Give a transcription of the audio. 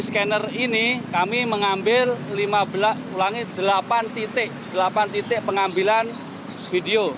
scanner ini kami mengambil delapan titik pengambilan video